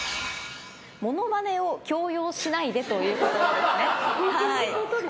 モノマネを強要しないでということですね。